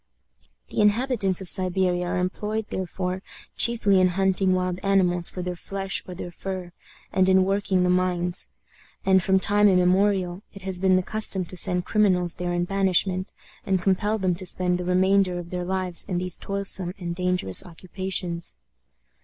The inhabitants of Siberia are employed, therefore, chiefly in hunting wild animals for their flesh or their fur, and in working the mines; and, from time immemorial, it has been the custom to send criminals there in banishment, and compel them to spend the remainder of their lives in these toilsome and dangerous occupations.